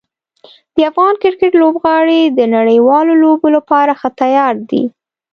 د افغان کرکټ لوبغاړي د نړیوالو لوبو لپاره ښه تیار دي.